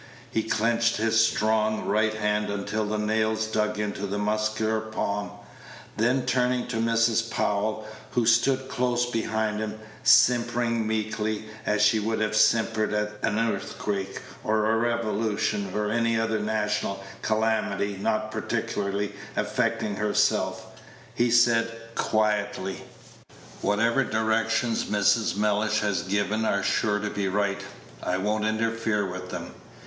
He clenched his strong right hand until the nails dug into the muscular palm; then turning to Mrs. Powell, who stood close behind him, simpering meekly, as she would have simpered at an earthquake, or a revolution, or any other national calamity not peculiarly affecting herself, he said quietly: "Whatever directions Mrs. Mellish has given are sure to be right; I won't interfere with them."